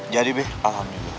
jadi be alhamdulillah